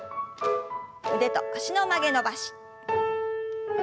腕と脚の曲げ伸ばし。